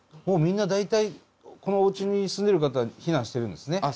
もうみんな大体このおうちに住んでる方は避難してるんですね。